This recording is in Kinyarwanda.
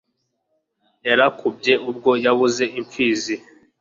Yarakubye ubwo yabuze Imfizi